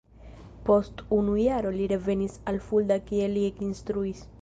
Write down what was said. Post unu jaro li revenis al Fulda kie li ekinstruis.